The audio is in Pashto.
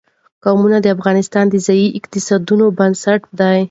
قومونه د افغانستان د ځایي اقتصادونو بنسټ دی.